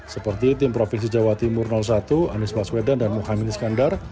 seperti tim provinsi jawa timur satu anies baswedan dan muhaymin iskandar